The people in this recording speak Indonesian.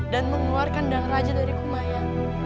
dan mengeluarkan dhanaraja dari kumaya